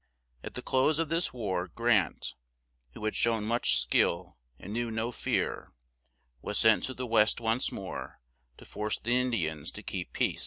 At the close of this war Grant, who had shown much skill, and knew no fear, was sent to the West once more to force the In di ans to keep peace.